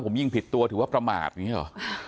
ผมยิ่งผิดตัวถือว่าประมาทอย่างนี้หรอ